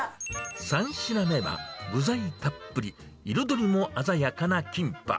３品目は、具材たっぷり、彩りも鮮やかなキンパ。